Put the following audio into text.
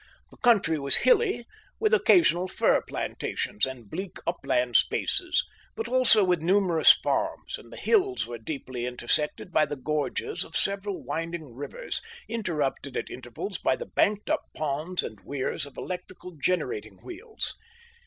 The country was hilly, with occasional fir plantations and bleak upland spaces, but also with numerous farms, and the hills were deeply intersected by the gorges of several winding rivers interrupted at intervals by the banked up ponds and weirs of electric generating wheels.